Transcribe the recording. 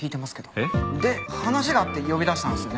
えっ？で話があって呼び出したんですよね？